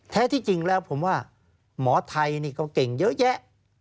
แท้ที่จริงแล้วผมว่าหมอไทยนี่ก็เก่งเยอะแยะ